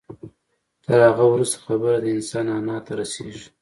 تر هغه وروسته خبره د انسان انا ته رسېږي.